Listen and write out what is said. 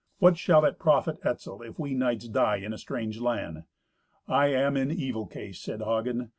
What shall it profit Etzel if we knights die in a strange land? I am in evil case," said Hagen.